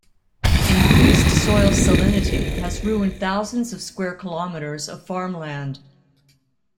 Increased soil salinity has ruined thousands of square kilometers of farmland.